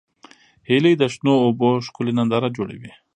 هیلۍ د شنو اوبو ښکلې ننداره جوړوي